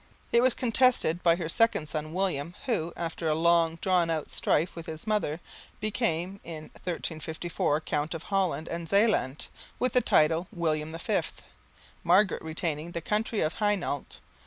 It was contested by her second son William, who, after a long drawn out strife with his mother, became, in 1354, Count of Holland and Zeeland with the title William V, Margaret retaining the county of Hainault.